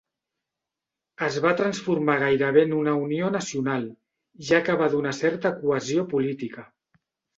Es va transformar gairebé en una unió nacional, ja que va donar certa cohesió política.